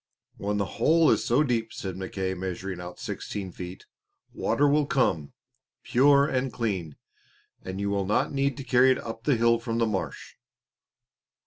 "When the hole is so deep," said Mackay, measuring out sixteen feet, "water will come, pure and clean, and you will not need to carry it up the hill from the marsh."